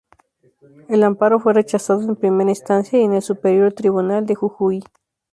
El amparo fue rechazado en primera instancia y en el Superior Tribunal de Jujuy.